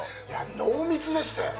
濃密でしたよね。